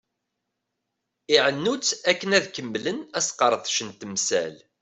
Iɛennu-tt akken ad kemmlen asqerdec n temsal.